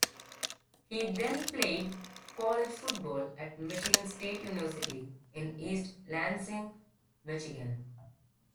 He then played college football at Michigan State University in East Lansing, Michigan.